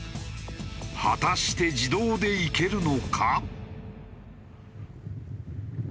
果たして自動で行けるのか？